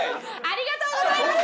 ありがとうございます！